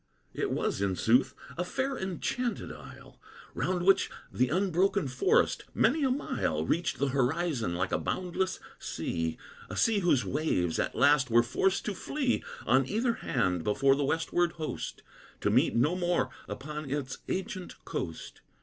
It was, in sooth, a fair enchanted isle, Round which the unbroken forest, many a mile, Reached the horizon like a boundless sea; A sea whose waves, at last, were forced to flee On either hand, before the westward host, To meet no more upon its ancient coast.